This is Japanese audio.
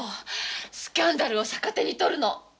スキャンダルを逆手に取るの。